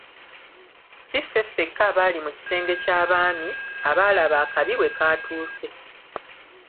Si ffe ffeka abaali mu kisenge ky'abaami, abaalaba akabi bwe katuuse.